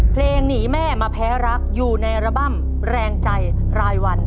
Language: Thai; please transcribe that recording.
หนีแม่มาแพ้รักอยู่ในอัลบั้มแรงใจรายวัน